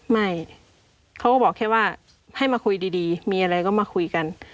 ไม่เขาก็บอกแค่ว่าให้มาคุยดีมีอะไรก็มาคุยกัน